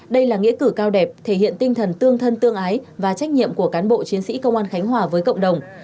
đây là nghĩa cử cao đẹp thể hiện tinh thần tương thân tương ái và trách nhiệm của cán bộ chiến sĩ công an khánh hòa với cộng đồng